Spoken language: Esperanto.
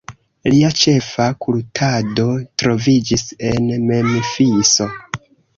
Lia ĉefa kultado troviĝis en Memfiso.